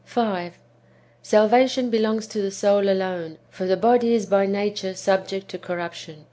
5. Salvation belongs to the soul alone, for the body is by nature subject to corruption.